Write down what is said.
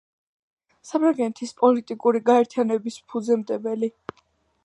საფრანგეთის პოლიტიკური გაერთიანების ფუძემდებელი.